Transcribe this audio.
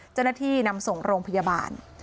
จนที่นำส่งโรงพยาบาล